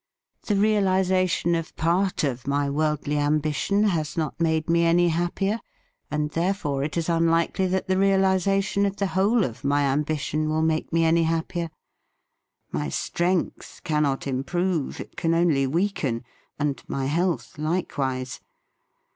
The realisation of part of my worldly ambition has not made me any happier, and, therefore, it is unlikely that the realisation of the whole of my ambition will make me any happier. My strength cannot improve; it can only weaken; and my health likewise.